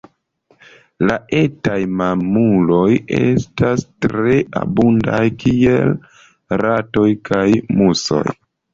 La etaj mamuloj estas tre abundaj kiel ratoj kaj musoj.